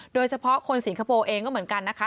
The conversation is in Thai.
โดยเฉพาะคนสิงคโปร์เองก็เหมือนกันนะคะ